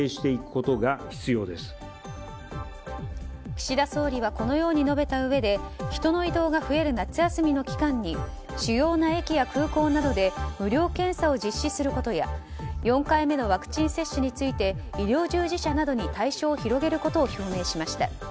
岸田総理はこのように述べたうえで人の移動が増える夏休みの期間に主要な駅や空港などで無料検査を実施することや４回目のワクチン接種について医療従事者などに対象を広げることを表明しました。